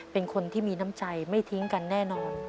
เป็นคนที่มีน้ำใจไม่ทิ้งกันแน่นอน